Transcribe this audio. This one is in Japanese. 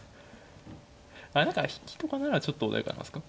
だから引きとかならちょっと穏やかなんですか。